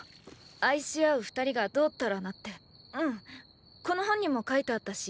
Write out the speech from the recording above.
愛し合う二人がどーたらなってうんこの本にも書いてあったし意味は知ってる。